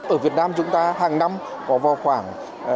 ở việt nam chúng ta hàng năm có vào khoảng